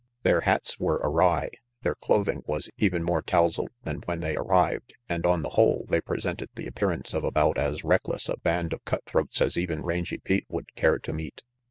Their hats were awry, their clothing was even more tousled than when they arrived, and on the whole RANGY PETE 39 they presented the appearance of about as reckless a band of cut throats as even Rangy Pete would care to meet.